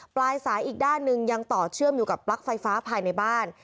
ปลายสายอีกด้านหนึ่งยังต่อเชื่อมอยู่กับปลั๊กไฟฟ้าภายในบ้าน